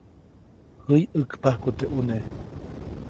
Jäyʼäkpajku teʼ ʼuneʼ.